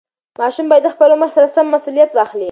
ماشوم باید د خپل عمر سره سم مسوولیت واخلي.